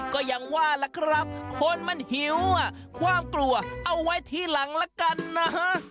ก็ยังว่าล่ะครับคนมันหิวความกลัวเอาไว้ทีหลังละกันนะฮะ